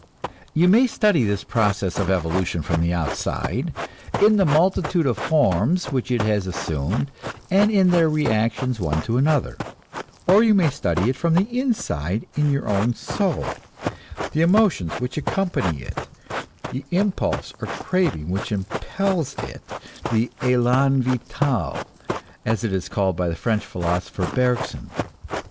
You may study this process of evolution from the outside, in the multitude of forms which it has assumed and in their reactions one to another; or you may study it from the inside in your own soul, the emotions which accompany it, the impulse or craving which impels it, the élan vital, as it is called by the French philosopher Bergson.